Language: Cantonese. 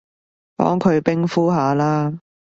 幫佢冰敷下啦